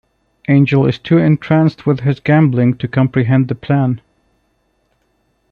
Angel is too entranced with his gambling to comprehend the plan.